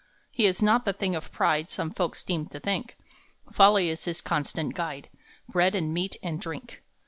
He is not the thing of pride Some folks seem to think. Folly is his constant guide, Bread and meat and drink.